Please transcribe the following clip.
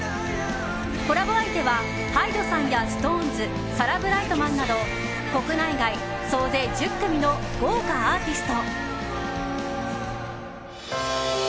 コラボ相手はＨＹＤＥさんやＳｉｘＴＯＮＥＳサラ・ブライトマンなど国内外、総勢１０組の豪華アーティスト。